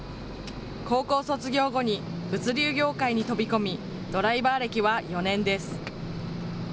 高校卒業後に物流業界に飛び込み、ドライバー歴は４年です。